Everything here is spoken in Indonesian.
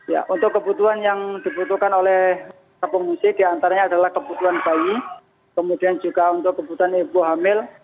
ya untuk kebutuhan yang dibutuhkan oleh pengungsi diantaranya adalah kebutuhan bayi kemudian juga untuk kebutuhan ibu hamil